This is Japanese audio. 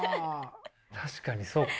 確かにそっか。